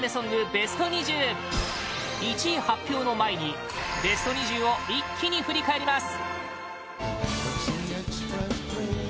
ベスト２０１位発表の前にベスト２０を一気に振り返ります